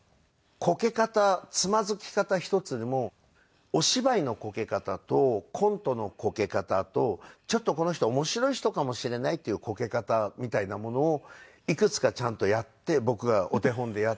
こけ方つまずき方一つでもお芝居のこけ方とコントのこけ方とちょっとこの人面白い人かもしれないっていうこけ方みたいなものをいくつかちゃんとやって僕がお手本でやって。